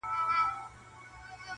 • ضمير بې قراره پاتې کيږي تل,